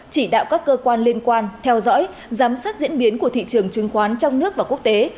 chỉ đạo các cơ quan liên quan theo dõi giám sát diễn biến của thị trường chứng khoán trong nước và quốc tế